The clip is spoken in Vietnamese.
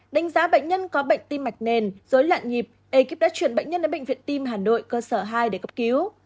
đánh giá bệnh nhân có bệnh tim mạch nền dối loạn nhịp ekip đã chuyển bệnh nhân đến bệnh viện tim hà nội cơ sở hai để cấp cứu